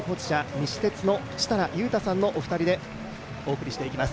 西鉄の設楽悠太さんのお二人でお送りしていきます。